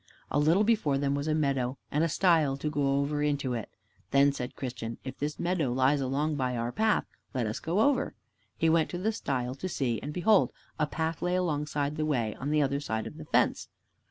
A little before them was a meadow and a stile to go over into it. Then said Christian, "If this meadow lies along by our path, let us go over." He went to the stile to see, and behold, a path lay alongside of the way, on the other side of the fence.